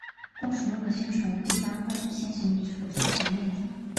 供食用的星虫一般会先行除去其内脏。